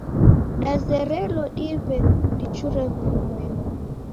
Dazerelo dive dichure w'urumwengu.